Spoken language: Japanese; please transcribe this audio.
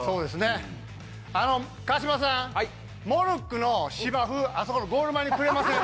モルックの芝生、あそこのゴール前にくれません？